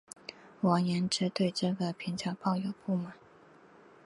王延之对这个评价抱有不满。